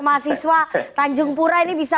mahasiswa tanjung pura ini bisa